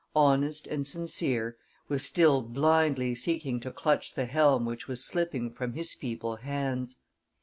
honest and sincere, was still blindly seeking to clutch the helm which was slipping from his feeble hands.